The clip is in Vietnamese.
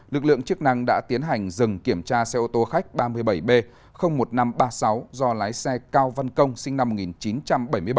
lực lượng chức năng đã tiến hành dừng kiểm tra xe ô tô khách ba mươi bảy b một nghìn năm trăm ba mươi sáu do lái xe cao văn công sinh năm một nghìn chín trăm bảy mươi bảy